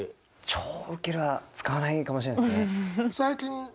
「超ウケる」は使わないかもしれないですね。